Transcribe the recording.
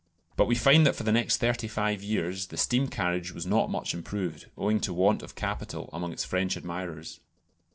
But we find that for the next thirty five years the steam carriage was not much improved, owing to want of capital among its French admirers.